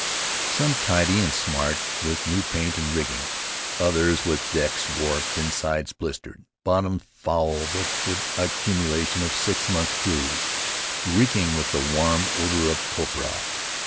Some tidy and smart with new paint and rigging; others with decks warped and sides blistered, bottoms foul with the accumulation of a six months' cruise, reeking with the warm odor of copra.